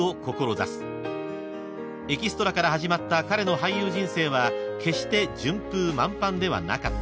［エキストラから始まった彼の俳優人生は決して順風満帆ではなかった］